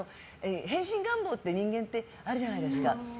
変身願望って人間ってあるじゃないですか。